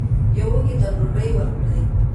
یو وږي ته ډوډۍ ورکړئ.